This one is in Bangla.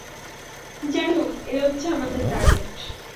যাইহোক, এই হচ্ছে আমাদের টার্গেট।